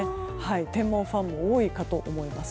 天文ファンも多いかと思います。